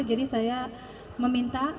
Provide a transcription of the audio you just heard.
jadi saya meminta